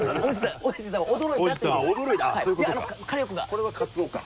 これはカツオか。